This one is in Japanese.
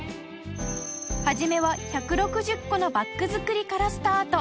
初めは１６０個のバッグづくりからスタート